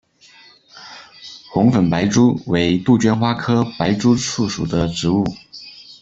红粉白珠为杜鹃花科白珠树属的植物。